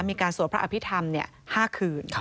สวดพระอภิษฐรรม๕คืน